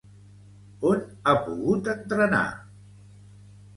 On ha pogut entrenar?